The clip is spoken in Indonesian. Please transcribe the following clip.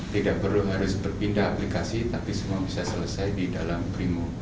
tidak perlu harus berpindah aplikasi tapi semua bisa selesai di dalam brimo